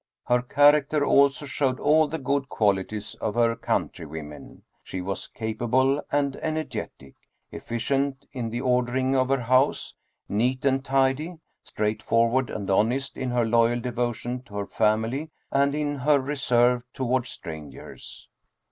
Her character also showed all the good quali ties of her countrywomen. She was capable and energetic, efficient in the ordering of her house, neat and tidy, straight forward and honest in her loyal devotion to her family and in her reserve toward strangers.